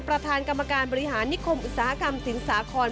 ประธานกรรมการบริหารนิคมอุตสาหกรรมสินสาคร